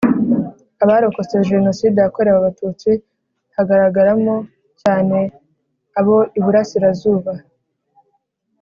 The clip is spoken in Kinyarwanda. Abarokotse Jenoside yakorewe Abatutsi hagaragaramo cyane abo iburasirazuba